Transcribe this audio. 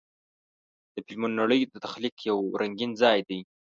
د فلمونو نړۍ د تخیل یو رنګین ځای دی.